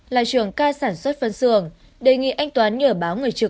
là trưởng ca sản xuất phân xưởng đề nghị anh toán nhờ báo người trực